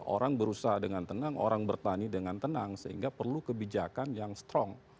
orang berusaha dengan tenang orang bertani dengan tenang sehingga perlu kebijakan yang strong